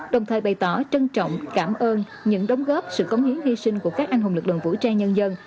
đồng thời bày tỏ trân trọng cảm ơn những đóng góp sự cống hiến hy sinh của các anh hùng lực lượng vũ trang nhân dân